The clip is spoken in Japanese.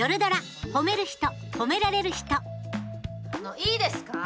いいですか？